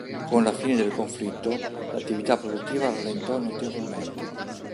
Con la fine del conflitto, l'attività produttiva rallentò notevolmente.